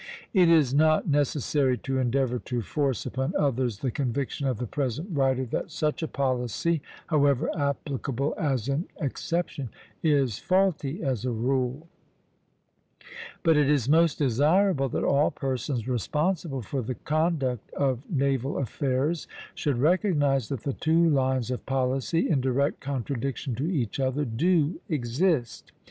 It is not necessary to endeavor to force upon others the conviction of the present writer that such a policy, however applicable as an exception, is faulty as a rule; but it is most desirable that all persons responsible for the conduct of naval affairs should recognize that the two lines of policy, in direct contradiction to each other, do exist.